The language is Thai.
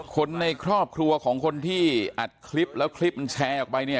คนในครอบครัวของคนที่อัดคลิปแล้วคลิปมันแชร์ออกไปเนี่ย